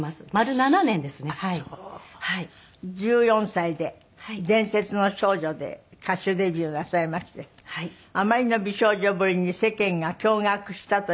１４歳で『伝説の少女』で歌手デビューなさいましてあまりの美少女ぶりに世間が驚愕したという事で。